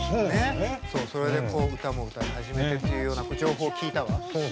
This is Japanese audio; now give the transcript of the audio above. それで歌も歌い始めてという情報を聞いたわ！